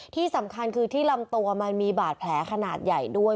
ที่สำคัญคือที่ลำตัวมันมีบาดแผลขนาดใหญ่ด้วย